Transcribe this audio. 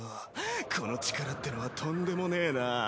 この力ってのはとんでもねえなぁ？